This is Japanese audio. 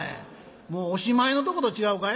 もうおしまいのとこと違うかい」。